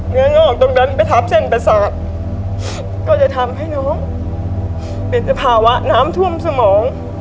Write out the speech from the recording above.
เย้ยงออกตรงนั้นไปทับเส้นประสาทก็จะทำให้น้องเป็นสภาวะน้ำท่วมสมอง